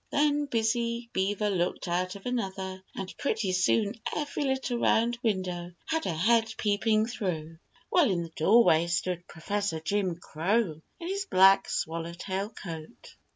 Then Busy Beaver looked out of another, and pretty soon every little round window had a head peeping through, while in the doorway stood Professor Jim Crow in his black swallowtail coat.